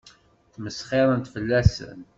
Ttmesxiṛent fell-asen.